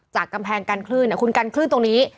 กำแพงกันคลื่นคุณกันคลื่นตรงนี้